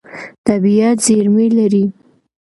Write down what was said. طبیعت زېرمې لري.